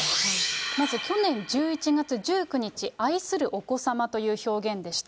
まず去年１１月１９日、愛するお子様という表現でした。